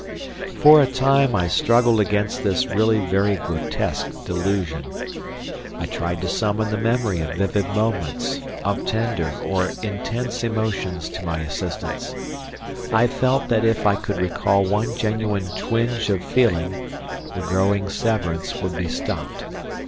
For a time I struggled against this really very grotesque delusion. I tried to summon the memory of vivid moments, of tender or intense emotions to my assistance; I felt that if I could recall one genuine twinge of feeling the growing severance would be stopped.